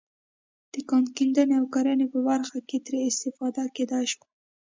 د کان کیندنې او کرنې په برخه کې ترې استفاده کېدای شوه.